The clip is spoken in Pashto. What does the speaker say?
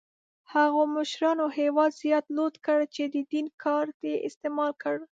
هغو مشرانو هېواد زیات لوټ کړ چې د دین کارت یې استعمال کړ.